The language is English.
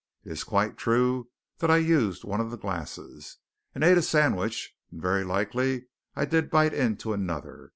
It is quite true that I used one of the glasses, and ate a sandwich, and very likely I did bite into another.